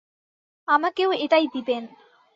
আমাকেও এটাই দিবেন।